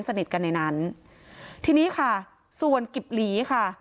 สนิทกันในนั้นทีนี้ค่ะส่วนกิบหลีค่ะ